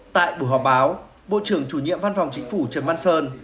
tại buổi họp báo bộ trưởng chủ nhiệm văn phòng chính phủ trần văn sơn